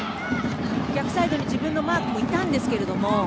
逆サイドに自分のマーク、いたんですが。